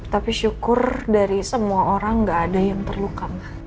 tapi syukur dari semua orang gak ada yang terluka